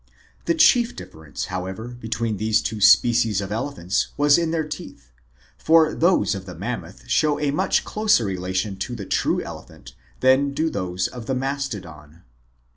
The chief difference, however, between these two species of elephants was in their teeth, for those of the Mammoth show a much closer relation to the true elephant than do those of the Mastodon.